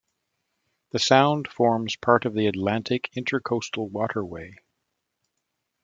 The sound forms part of the Atlantic Intracoastal Waterway.